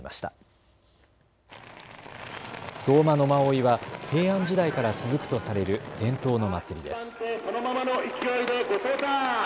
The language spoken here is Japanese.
馬追は平安時代から続くとされる伝統の祭りです。